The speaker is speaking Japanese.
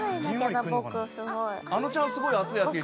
あのちゃんすごい「熱い熱い」